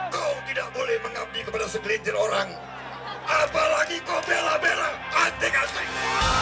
kau tidak boleh mengabdi kepada segelintir orang apalagi kau bela bela aneh